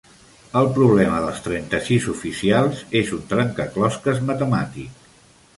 El problema dels trenta-sis oficials és un trencaclosques matemàtic.